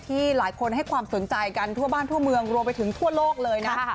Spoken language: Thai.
หลายคนให้ความสนใจกันทั่วบ้านทั่วเมืองรวมไปถึงทั่วโลกเลยนะ